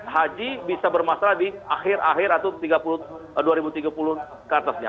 haji bisa bermasalah di akhir akhir atau dua ribu tiga puluh ke atasnya